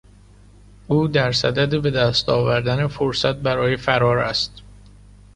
او در صدد بهدست آوردن فرصت برای فرار است.